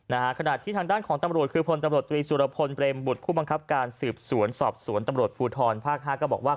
ขณะที่ทางด้านของตำรวจคือพลตำรวจตรีสุรพลเบรมบุตรผู้บังคับการสืบสวนสอบสวนตำรวจภูทรภาคห้าก็บอกว่า